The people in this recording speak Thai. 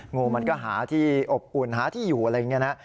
งูมันก็หาที่อบอุ่นหาที่อยู่อะไรอย่างนี้นะ